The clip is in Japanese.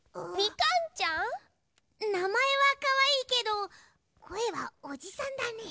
なまえはかわいいけどこえはおじさんだね。